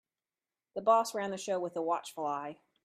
The boss ran the show with a watchful eye.